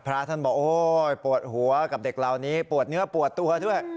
พระท่านบอกโอ้ยปวดหัวกับเด็กเหล่านี้ปวดเนื้อปวดตัวด้วย